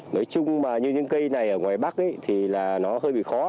nói chung mà như những cây này ở ngoài bắc thì là nó hơi bị khó